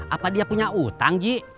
apa dia punya utang gi